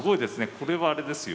これはあれですよ。